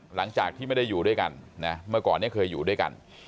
หลังจากที่ไม่ได้อยู่ด้วยกันนะเมื่อก่อนเนี่ยเคยอยู่ด้วยกัน